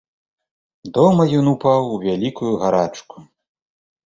Дома ён упаў у вялікую гарачку.